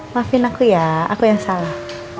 maafin aku ya aku yang salah